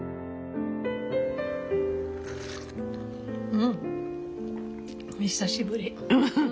うん久しぶり。